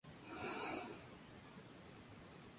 Escrito por Dylan Carlson, excepto donde se indica.